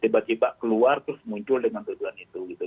tiba tiba keluar terus muncul dengan tuduhan itu gitu